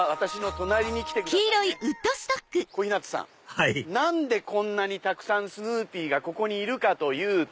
はい何でこんなにたくさんスヌーピーがここにいるかというと。